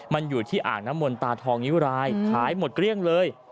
มันอยู่ที่อ่างน้ำมนตาทองนิ้วรายขายหมดเกลี้ยงเลย